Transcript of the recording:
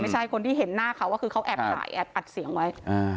ไม่ใช่คนที่เห็นหน้าเขาคือเขาแอบถ่ายแอบถ่ายเสียงไว้